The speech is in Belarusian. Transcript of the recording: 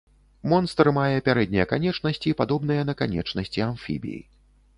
Монстр мае пярэднія канечнасці, падобныя на канечнасці амфібій.